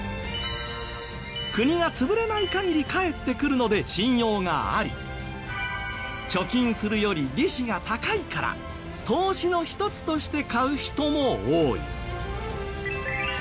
国が潰れない限り返ってくるので信用があり貯金するより利子が高いから投資の一つとして買う人も多い。